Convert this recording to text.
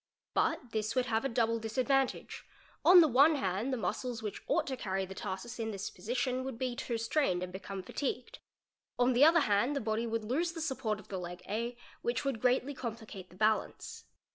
But this would have a double disadvantage; on the one hand the muscles which ought to carry the tarsus in this position would be too strained and become fatigued ; on the other hand the body would lose the support of the leg A, which would greatly complicate the balance.